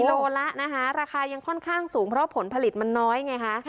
โลละนะคะราคายังค่อนข้างสูงเพราะผลผลิตมันน้อยไงคะ